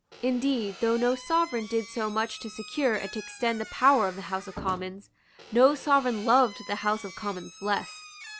Indeed, though no sovereign did so much to secure and to extend the power of the House of Commons, no sovereign loved the House of Commons less.